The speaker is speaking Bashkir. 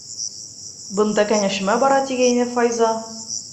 Бында кәңәшмә бара тигәйне Файза.